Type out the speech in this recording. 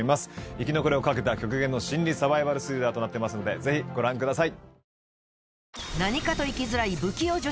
生き残りを懸けた極限の心理サバイバルスリラーとなってますのでぜひご覧ください。